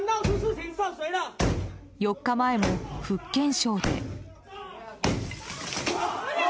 ４日前も、福建省で。